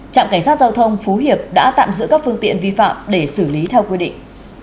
trạm cảnh sát giao thông phú hiệp đã tạm giữ các phương tiện vi phạm để xử lý theo quy định